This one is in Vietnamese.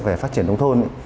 về phát triển nông thôn